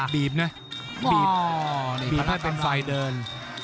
บีบนะบีบบีบให้เป็นไฟเดิน